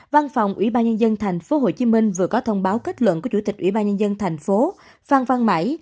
văn phòng ủy ban nhân dân thành phố hồ chí minh vừa có thông báo kết luận của chủ tịch ủy ban nhân dân thành phố phan văn mãi